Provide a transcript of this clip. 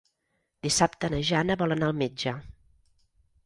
Dissabte na Jana vol anar al metge.